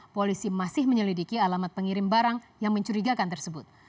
polisi masih menyelidiki alamat pengirim barang yang mencurigakan tersebut